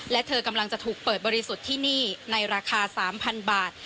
และเธอกำลังจะถูกเปิดบริสุทธิ์ที่นี่ในราคา๓๐๐๐บาท